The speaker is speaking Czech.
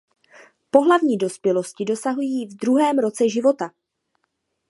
Pohlavní dospělosti dosahují v druhém roce života.